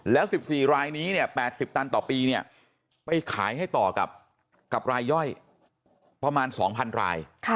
แล้ว๑๔รายนี้เนี่ย๘๐ตันต่อปีเนี่ยไปขายให้ต่อกับรายย่อยประมาณ๒๐๐๐ราย